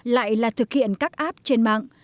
lại là thực hiện các app trên mạng